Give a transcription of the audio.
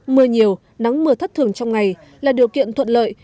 mưa nhiều nắng mưa thất thường trong ngày là điều kiện thuận lợi